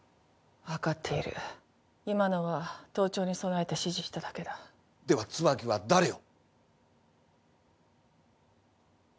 分かっている今のは盗聴に備えて指示しただけだでは椿は誰を？